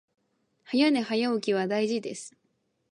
早寝早起きは大事です